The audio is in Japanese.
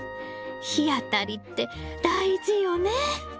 日当たりって大事よね！